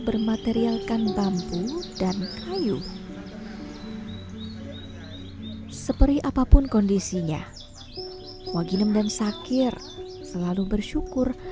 bermaterialkan bambu dan kayu seperi apapun kondisinya waginem dan sakir selalu bersyukur